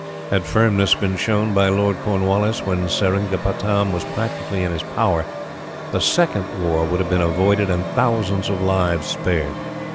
Had firmness been shown by Lord Cornwallis, when Seringapatam was practically in his power, the second war would have been avoided and thousands of lives spared.